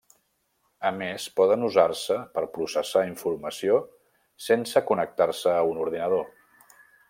A més poden usar-se per processar informació sense connectar-se a un ordinador.